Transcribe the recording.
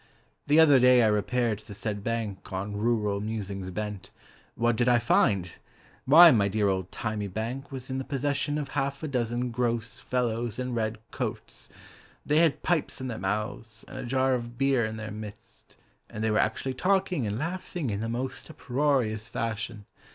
The other day I repaired to the said bank On rural musings bent. What did I find? Why, my dear old thymy bank Was in the possession Of half a dozen gross fellows in red coats, Thy had pipes in their mouths, And a jar of beer in their midst, And they were actually talking and laughing In the most uproarious fashion.